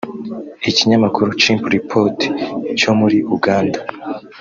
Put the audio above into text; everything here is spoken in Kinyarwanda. Ikinyamakuru Chimpreports cyo muri Uganda